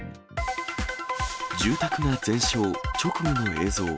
住宅が全焼、直後の映像。